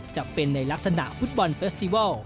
จะเป็นในลักษณะฟุตบอลเฟสติวัล